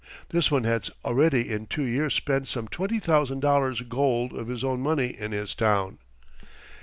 This one had already in two years spent some twenty thousand dollars gold of his own money in his town.